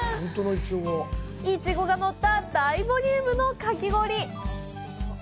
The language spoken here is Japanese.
いちごが載った大ボリュームのかき氷